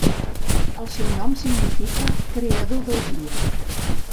El seu nom significa "creador del dia".